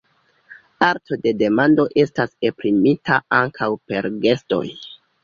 Arto de demando estas esprimita ankaŭ per gestoj.